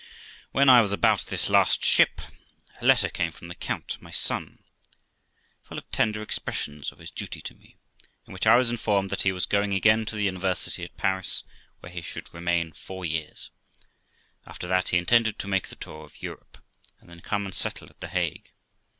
When I was about this last ship a letter came from the count, my son, full of tender expressions of his duty to me, in which I was informed that he was going again to the university at Paris, where he should remain four years ; after that he intended to make the tour of Europe, and then come and settle at The Hague.